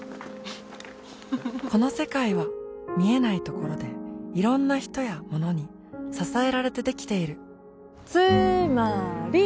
この世界は見えないところでいろんな人やものに支えられてできているつーまーり！